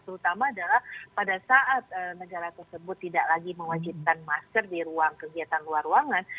terutama adalah pada saat negara tersebut tidak lagi mewajibkan masker di ruang kegiatan luar ruangan